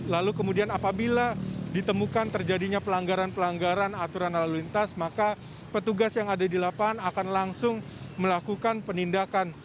lalu kemudian apabila ditemukan terjadinya pelanggaran pelanggaran aturan lalu lintas maka petugas yang ada di lapangan akan langsung melakukan penindakan